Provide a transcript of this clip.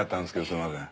すいません。